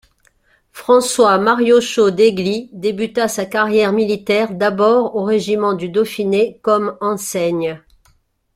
François Mariauchau d'Esgly débuta sa carrière militaire d’abord au régiment du Dauphiné comme enseigne.